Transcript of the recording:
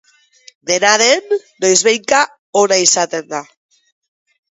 Dena den, noizbehinka ona izaten da.